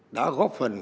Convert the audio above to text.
đã góp phần